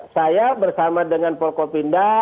saya bersama dengan polkopinda